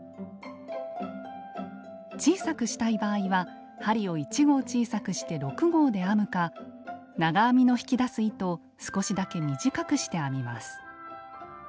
小さくしたい場合は針を１号小さくして６号で編むか長編みの引き出す糸を少しだけ短くして編みます。